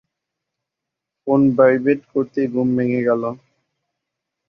Phone vibrate করতেই ঘুম ভেঙে গেল।